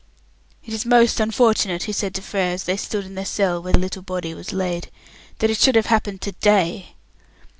"It is most unfortunate," he said to Frere, as they stood in the cell where the little body was laid, "that it should have happened to day."